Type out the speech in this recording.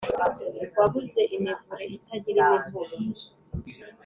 Wabuze imivure itagira imivumo